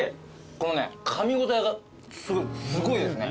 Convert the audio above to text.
このねかみ応えがすごいですね。